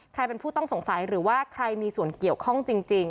ใครเป็นผู้ต้องสงสัยหรือว่าใครมีส่วนเกี่ยวข้องจริง